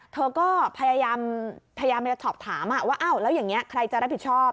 เธอก็พยายามจะสอบถามว่าอ้าวแล้วอย่างนี้ใครจะรับผิดชอบ